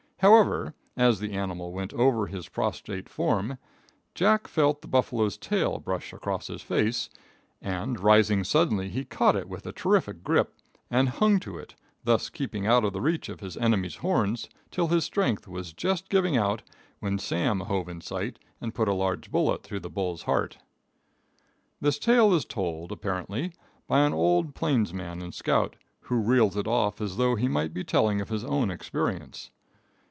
However, as the animal went over his prostrate form, Jack felt the buffalo's tail brush across his face, and, rising suddenly, he caught it with a terrific grip and hung to it, thus keeping out of the reach of his enemy's horns, till his strength was just giving out, when Sam hove in sight and put a large bullet through the bull's heart. This tale is told, apparently, by an old plainsman and scout, who reels it off as though he might be telling his own experience.